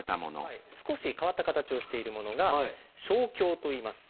少し変わった形をしているものが「生姜」といいます。